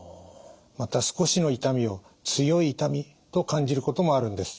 また少しの痛みを強い痛みと感じることもあるんです。